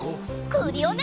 クリオネ！